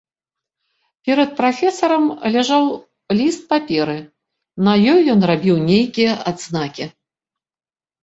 Перад прафесарам ляжаў ліст паперы, на ёй ён рабіў нейкія адзнакі.